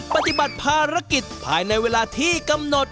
ปฏิบัติภารกิจภายในเวลาที่กำหนด